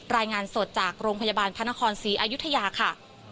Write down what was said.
รายงานสดจากโรงพยาบาลพระนครศรีอายุทยาค่ะ